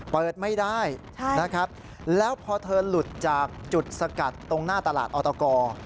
เปิดไม่ได้นะครับแล้วพอเธอหลุดจากจุดสกัดตรงหน้าตลาดออตก